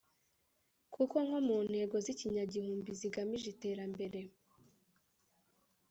kuko nko mu ntego z’ ikinyagihumbi zigamije iterambere